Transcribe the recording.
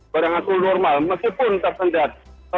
berangsur normal meskipun tersendat